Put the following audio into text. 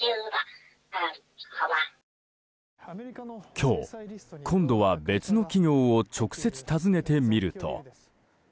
今日、今度は別の企業を直接訪ねてみると。